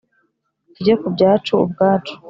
tujye ku byacu ubwacu